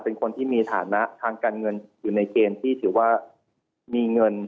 เป็นคนที่มีฐานะทางการเงินอยู่ในเกณฑ์ที่ถือว่ามีเงิน